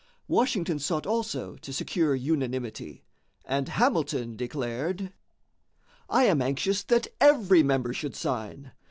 Washington sought also to secure unanimity, and Hamilton declared: "I am anxious that every member should sign.